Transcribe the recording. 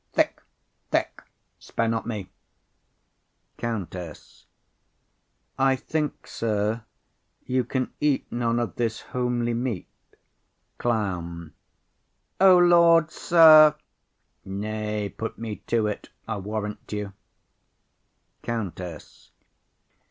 Thick, thick; spare not me. COUNTESS. I think, sir, you can eat none of this homely meat. CLOWN. O Lord, sir! Nay, put me to't, I warrant you. COUNTESS.